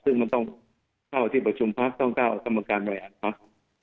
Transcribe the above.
ซึ่งมันต้องเข้าที่ประชุมพักต้องก้าวตำรวจการบริหารครับ